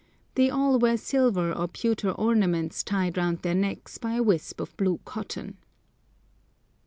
They all wear silver or pewter ornaments tied round their necks by a wisp of blue cotton.